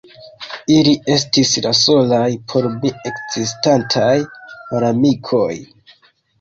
Ili estis la solaj por mi ekzistantaj malamikoj.